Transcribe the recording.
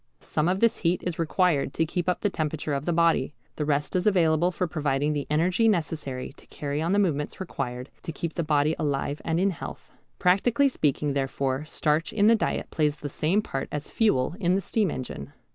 Some of this heat is required to keep up the temperature of the body. The rest is available for providing the energy necessary to carry on the movements required to keep the body alive and in health. Practically speaking therefore starch in the diet plays the same part as fuel in the steam engine.